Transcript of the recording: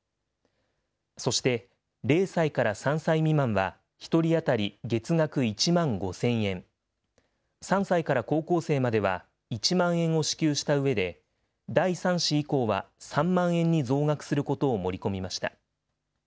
そして０歳から３歳未満は１人当たり月額１万５０００円、３歳から高校生までは１万円を支給したうえで、第３子以降は３万円に増額することを盛り込みました。